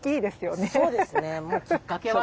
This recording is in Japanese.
そうですねもうきっかけは。